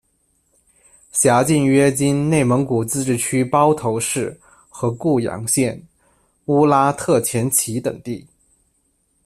辖境约今内蒙古自治区包头市和固阳县、乌拉特前旗等地。